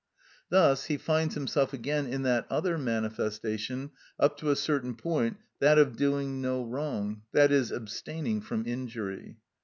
Thus he finds himself again in that other manifestation, up to a certain point, that of doing no wrong, i.e., abstaining from injury.